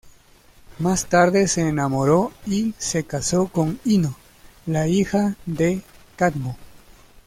Más tarde se enamoró y se casó con Ino, la hija de Cadmo.